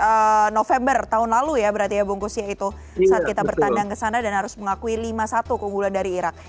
oke di november tahun lalu ya berarti ya bung kusya itu saat kita bertandang kesana dan harus mengakui lima satu keunggulan dari iraq